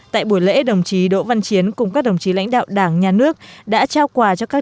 tại buổi lễ đồng chí đỗ văn chiến cùng các đồng chí lãnh đạo đảng nhà nước đã trao quà cho các